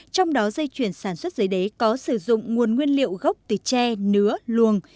trong đó dây chuyển sản xuất giấy đế có sử dụng nguồn nguyên liệu gốc từ tre nứa luồng